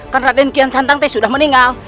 karena raimu kian santan sudah meninggal